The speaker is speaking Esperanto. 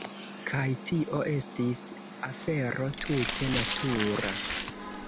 Kaj tio estis afero tute natura.